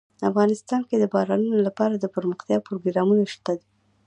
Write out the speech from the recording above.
افغانستان کې د بارانونو لپاره دپرمختیا پروګرامونه شته.